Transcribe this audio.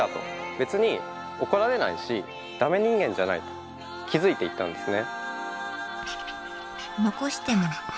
別に怒られないしダメ人間じゃないと気付いていったんですね。